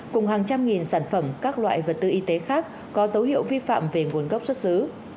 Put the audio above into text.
cùng hàng trăm nghìn sản phẩm các loại vật tư y tế khác có dấu hiệu vi phạm về nguồn gốc xuất xứ